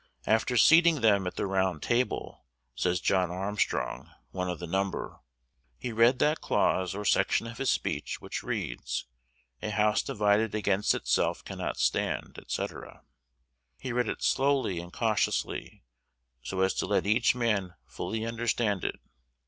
"After seating them at the round table," says John Armstrong, one of the number, "he read that clause or section of his speech which reads, 'a house divided against itself cannot stand,' &c. He read it slowly and cautiously, so as to let each man fully understand it.